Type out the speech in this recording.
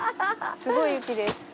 すごい雪です。